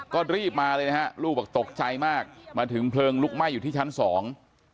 ก็รีบมาเลยนะฮะลูกบอกตกใจมากมาถึงเพลิงลุกไหม้อยู่ที่ชั้นสอง